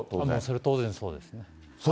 それは、当然そうですね。